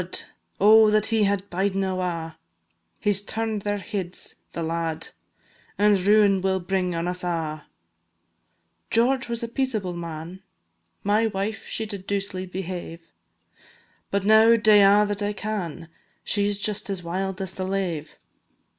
The women are a' gane wud, Oh, that he had biden awa'! He 's turn'd their heads, the lad, And ruin will bring on us a'. George was a peaceable man, My wife she did doucely behave; But now dae a' that I can, She 's just as wild as the lave.